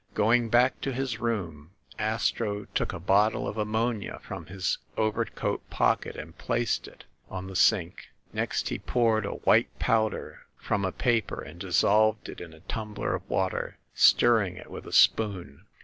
Going back to his room, Astro took a bottle of am monia from his overcoat pocket and placed it on the sink. Next he poured a white powder from a paper and dissolved it in a tumbler of water, stirring it with a spoon.